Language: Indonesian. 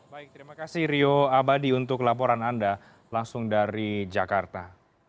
baik terima kasih rio abadi untuk laporan anda langsung dari jakarta